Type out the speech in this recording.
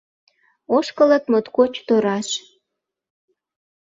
Ошкылыт моткоч тораш.